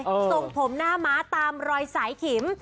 ส่งผมหน้าม้าตามรอยสายขิม